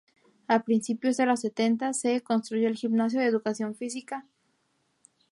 A principios de los setenta se construyó el gimnasio de Educación Física.